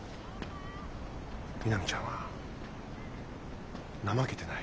みなみちゃんは怠けてない。